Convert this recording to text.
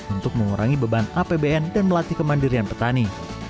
untuk mengurangi beban apbn dan melatih kemandirian petani